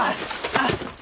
あっ。